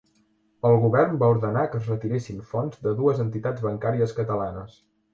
El govern va ordenar que es retiressin fons de dues entitats bancàries catalanes